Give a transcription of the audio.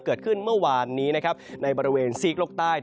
เกิดขึ้นเมื่อวานนี้นะครับในบริเวณซีกโลกใต้